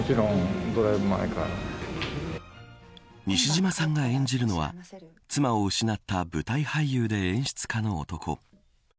西島さんが演じるのは妻を失った舞台俳優で演出家の男。